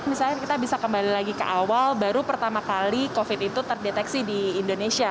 misalnya kita bisa kembali lagi ke awal baru pertama kali covid itu terdeteksi di indonesia